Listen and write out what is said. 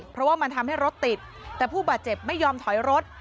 เพราะว่ามันทำให้รถติดแต่ผู้บาดเจ็บไม่ยอมถอยรถ